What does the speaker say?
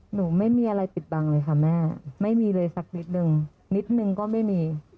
ไม่มีอะไรปิดบังเลยค่ะแม่ไม่มีเลยสักนิดนึงนิดนึงก็ไม่มี